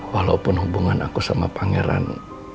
walaupun hubungan aku sama pangeran